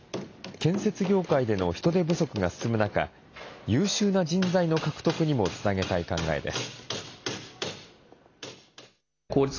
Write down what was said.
建設業界での人手不足が進む中、優秀な人材の獲得にもつなげたい考えです。